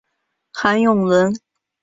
韩永人。